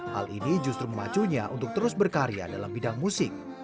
hal ini justru memacunya untuk terus berkarya dalam bidang musik